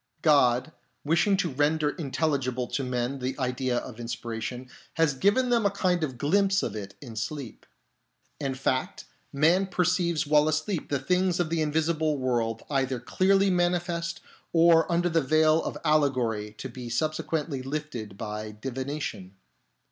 God, wishing to render intelligible to men the idea of inspiration, has given them a kind of glimpse of it in sleep. In fact, man perceives while asleep the things of the invisible world either clearly manifest or under the veil of alle gory to be subsequently lifted by divination.